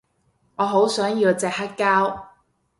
我好想要隻黑膠